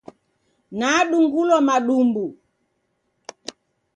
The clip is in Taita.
Nadungulwa madumbu